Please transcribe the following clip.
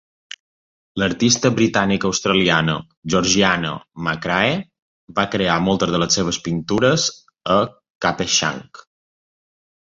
L'artista britànic-australiana Georgiana McCrae va crear moltes de les seves pintures a Cape Schanck.